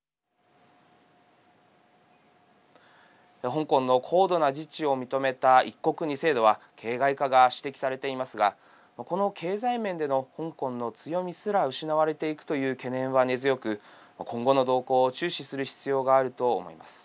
香港の高度な自治を認めた一国二制度は形骸化が指摘されていますがこの経済面での香港の強みすら失われていくという懸念は根強く今後の動向を注視する必要があると思います。